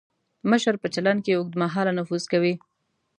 مشر په چلند کې اوږد مهاله نفوذ کوي.